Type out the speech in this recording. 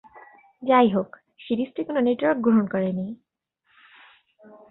যাইহোক, সিরিজটি কোন নেটওয়ার্ক গ্রহণ করেনি।